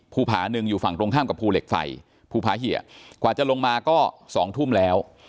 ผาหนึ่งอยู่ฝั่งตรงข้ามกับภูเหล็กไฟภูผาเหี่ยกว่าจะลงมาก็๒ทุ่มแล้ว